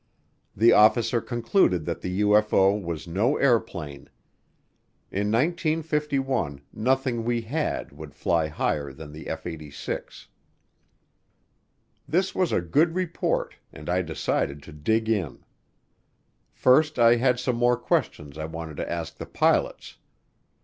The officer concluded that the UFO was no airplane. In 1951 nothing we had would fly higher than the F 86. This was a good report and I decided to dig in. First I had some more questions I wanted to ask the pilots.